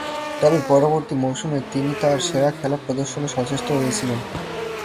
তবে, পরবর্তী মৌসুমেই তিনি তার সেরা খেলা প্রদর্শনে সচেষ্ট হয়েছিলেন।